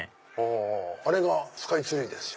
あれがスカイツリーですよ